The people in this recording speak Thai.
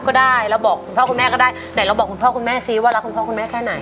ก็ได้เราบอกคุณพ่อคุณแม่ก็ได้ไหนเราบอกคุณพ่อคุณแม่ซิว่ารักคุณพ่อคุณแม่แค่ไหน